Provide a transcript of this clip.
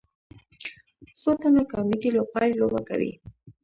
څو تنه کامیډي لوبغاړي لوبه کوي.